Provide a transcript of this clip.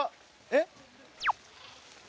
えっ？